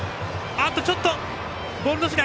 ちょっとボールの処理